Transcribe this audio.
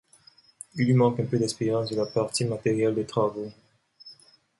Il lui manque un peu d'expérience de la partie matérielle des travaux.